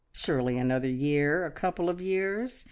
Surely another year, a couple of years!